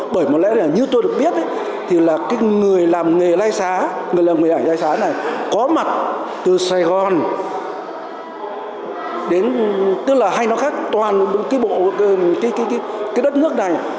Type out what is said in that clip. bởi mà lẽ là như tôi được biết thì là cái người làm nghề lai xá người làm nghề ảnh lai xá này có mặt từ sài gòn đến tức là hay nó khác toàn cái đất nước này